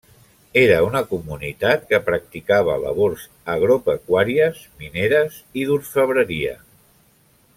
Era una comunitat que practicava labors agropecuàries, mineres i d'orfebreria.